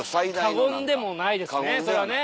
過言でもないですねそれはね。